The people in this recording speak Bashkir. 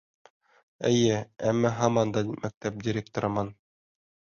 Эйе, әммә һаман да мәктәп директорымын.